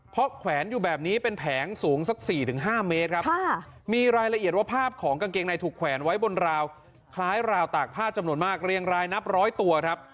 เพราะแขวนอยู่แบบนี้เป็นแผงสูงสัก๔๕เมตรครับมีรายละเอียดว่าภาพของกางเกงในถูกแขวนไว้บนราวคล้ายราวตากผ้าจำนวนมากเรียงรายนับร้อยตัวครับ